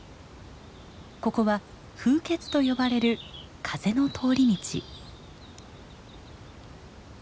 ここは「風穴」と呼ばれる風の通り道。